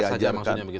egaliter saja maksudnya